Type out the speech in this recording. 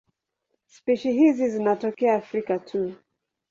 Spishi hizi zinatokea Afrika tu.